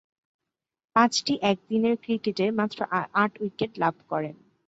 পাঁচটি একদিনের ক্রিকেটে মাত্র আট উইকেট লাভ করেন।